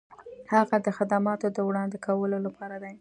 هغه د خدماتو د وړاندې کولو لپاره دی.